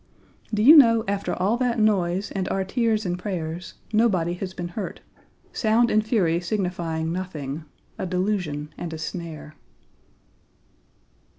Do you know, after all that noise and our tears and prayers, nobody has been hurt; sound and fury signifying nothing a delusion and a snare.